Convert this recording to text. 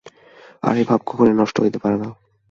আর এই ভাব কখনও নষ্ট হইতে পারে না।